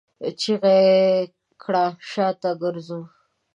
چيغه يې کړه! شاته ګرځو!